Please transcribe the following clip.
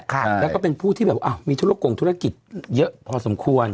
ค่ะแล้วก็เป็นผู้ที่แบบอ้าวมีชั่วโรคกล่องธุรกิจเยอะพอสมควร